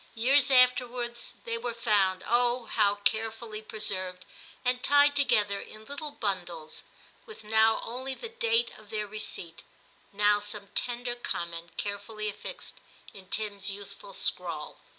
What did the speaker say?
Years afterwards they were found, oh ! how carefully preserved, and tied together in little bundles, with now only the date of their receipt, now some tender com ment carefully affixed in Tim's youthful scrawl.